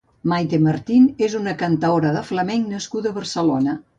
Mayte Martín és una cantaora de flamenc nascuda a Barcelona.